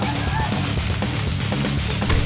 bang harus kuat bang